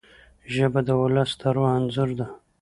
ژبه د ولس د روح انځور ده